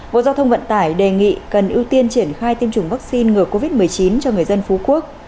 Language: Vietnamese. bộ giao thông vận tải đề nghị cần ưu tiên triển khai tiêm chủng vaccine ngừa covid một mươi chín cho người dân phú quốc